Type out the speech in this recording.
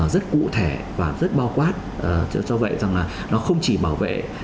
rất cụ thể và rất bao quát cho vậy rằng là nó không chỉ bảo vệ